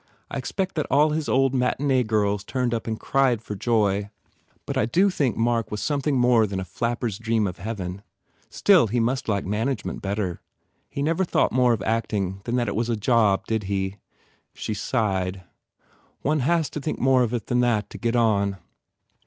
I expect that all his old matinee girls turned out and cried for joy. ... But I do think that Mark was something more than a flapper s dream of heaven. Still, he must like management better. He never thought more of acting than that it was a job, did he?" She sighed, "One has to think more of it than that to get on."